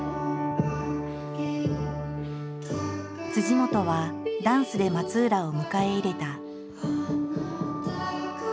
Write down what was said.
本はダンスで松浦を迎え入れた。